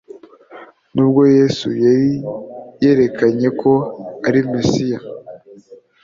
Nubwo Yesu yari yarerekanye ko ari Mesiya,